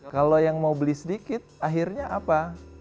kalau yang mau beli sedikit akhirnya apa